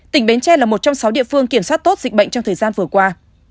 tỉnh bến tre là một trong sáu địa phương kiểm soát tốt dịch bệnh trong thời gian vừa qua